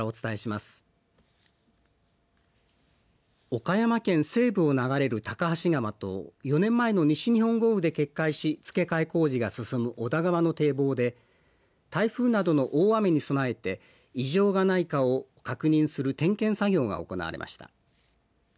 岡山県西部を流れる高梁川と４年前の西日本豪雨で決壊し付け替え工事が進む小田川の堤防で台風などの大雨に備えて異常がないかを確認する点検作業が行われました。